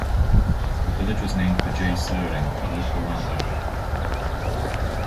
The village was named for J. Suring, a local landowner.